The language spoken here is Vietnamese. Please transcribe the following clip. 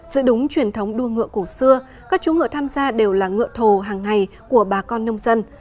giữa đúng truyền thống đua ngựa cổ xưa các chú ngựa tham gia đều là ngựa thồ hàng ngày của bà con nông dân